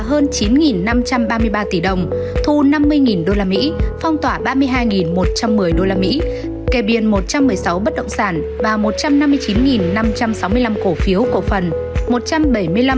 hơn chín năm trăm ba mươi ba tỷ đồng thu năm mươi usd phong tỏa ba mươi hai một trăm một mươi usd kè biên một trăm một mươi sáu bất động sản và một trăm năm mươi chín năm trăm sáu mươi năm cổ phiếu cổ phần